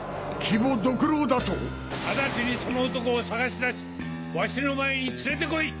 鬼保独郎だと⁉直ちにその男を捜し出しわしの前に連れて来い！